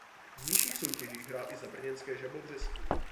V nižších soutěžích hrál i za brněnské Žabovřesky.